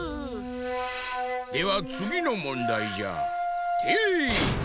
ではつぎのもんだいじゃ。てい！